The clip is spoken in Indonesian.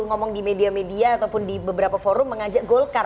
ngomong di media media ataupun di beberapa forum mengajak golkar